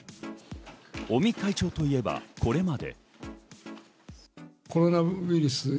尾身会長といえばこれまで。